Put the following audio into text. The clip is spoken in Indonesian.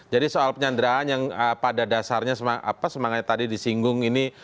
jadi soal penyanderaan yang pada dasarnya semangatnya tadi disinggung ini